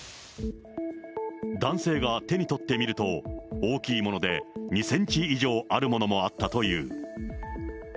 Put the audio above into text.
男性が手に取ってみると、大きいもので２センチ以上あるものもあったという。